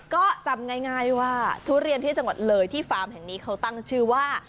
ก็จำง่ายว่าทุเรียนที่จังหวัดเลยที่ฟาร์มแห่งนี้เขาตั้งชื่อว่า